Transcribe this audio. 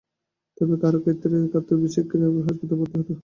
তবে কারো কারো ক্ষেত্রে খাদ্যে বিষক্রিয়ার জন্য হাসপাতালে ভর্তি হতে হয়।